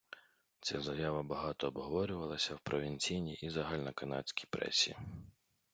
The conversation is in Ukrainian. Ця заява багато обговорювалася в провінційній і загальноканадській пресі.